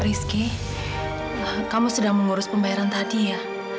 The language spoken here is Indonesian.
rizky kamu sedang mengurus pembayaran tadi ya